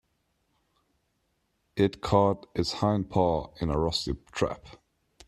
It caught its hind paw in a rusty trap.